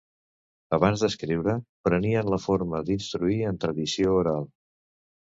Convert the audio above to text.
Abans d'escriure, prenien la forma d'instruir en tradició oral.